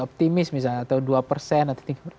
optimis misalnya atau dua persen atau